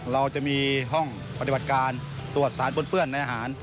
เราจะมีห้องปฏิบัติการตรวจสารปนเปื้อนในอาหาร